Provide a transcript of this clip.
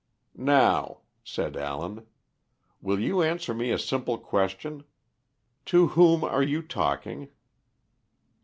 "Now," said Allen, "will you answer me a simple question? To whom are you talking?"